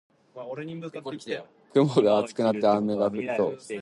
雲が厚くなって雨が降りそうです。